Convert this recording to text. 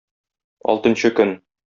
Алтынчы көн.